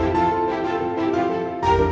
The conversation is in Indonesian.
jadi asa apa defined